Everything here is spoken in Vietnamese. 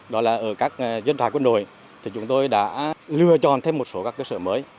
đó là ở các dân trại quân đội thì chúng tôi đã lựa chọn thêm một số các cơ sở mới